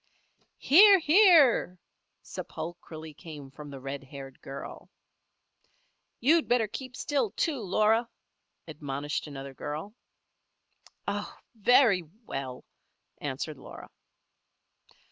"Hear! hear!" sepulchrally came from the red haired girl. "You'd better keep still, too, Laura," admonished another girl. "Oh! very well!" answered Laura.